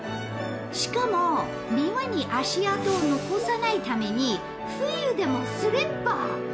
しかも庭に足跡を残さないために冬でもスリッパ！